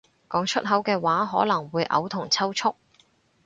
講出口嘅話可能會嘔同抽搐